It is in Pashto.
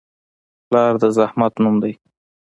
پلار د زحمت نوم دی.